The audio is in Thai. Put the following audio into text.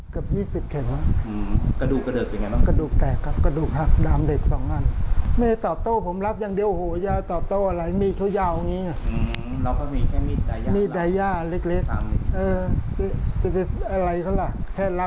ค่ะมีดทั้งคู่น่ากลัวเลยนะคะ